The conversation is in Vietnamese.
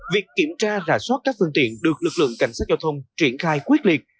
việc kiểm tra rà soát các phương tiện được lực lượng cảnh sát giao thông triển khai quyết liệt